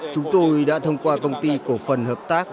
chúng tôi đã thông qua công ty cổ phần hợp tác